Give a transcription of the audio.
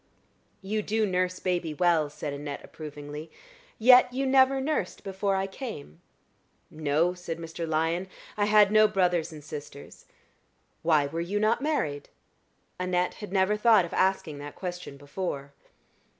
"You do nurse baby well," said Annette, approvingly. "Yet you never nursed before I came?" "No," said Mr. Lyon. "I had no brothers and sisters." "Why were you not married?" Annette had never thought of asking that question before.